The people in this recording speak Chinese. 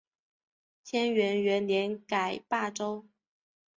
干元元年改霸州。